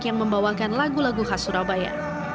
yang membawakan lagu lagu khas surabaya